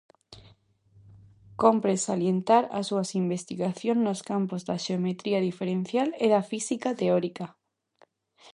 Cómpre salientar as súas investigacións nos campos da xeometría diferencial e da física teórica.